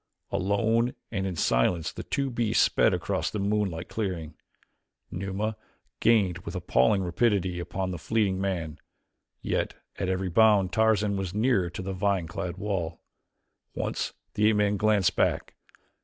Alone and in silence the two beasts sped across the moonlit clearing. Numa gained with appalling rapidity upon the fleeing man, yet at every bound Tarzan was nearer to the vine clad wall. Once the ape man glanced back.